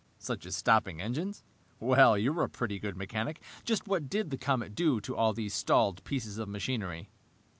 "Such as stopping engines? Well, you're a pretty good mechanic. Just what did the comet do to all these stalled pieces of machinery?"